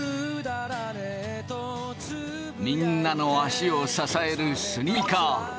みんなの足を支えるスニーカー。